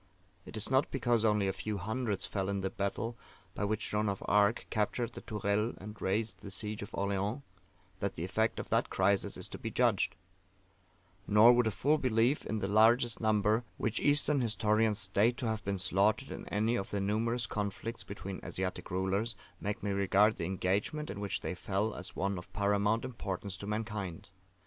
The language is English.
It is not because only a few hundreds fell in the battle by which Joan of Arc captured the Tourelles and raised the siege of Orleans, that the effect of that crisis is to be judged: nor would a full belief in the largest number which Eastern historians state to have been slaughtered in any of the numerous conflicts between Asiatic rulers, make me regard the engagement in which they fell as one of paramount importance to mankind.